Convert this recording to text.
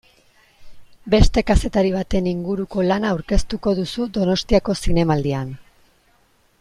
Beste kazetari baten inguruko lana aurkeztuko duzu Donostiako Zinemaldian.